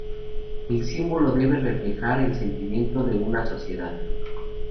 El símbolo debe reflejar el sentimiento de una sociedad.